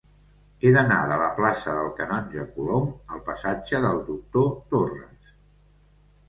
He d'anar de la plaça del Canonge Colom al passatge del Doctor Torres.